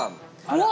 おっ！